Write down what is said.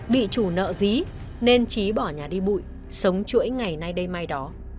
bị chủ nợ dí nên trí bỏ nhà đi bụi sống chuỗi ngày nay đây mai đó